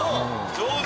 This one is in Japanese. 上手。